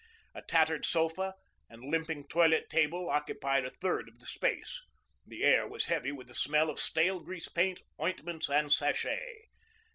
A tattered sofa and limping toilet table occupied a third of the space. The air was heavy with the smell of stale grease paint, ointments, and sachet.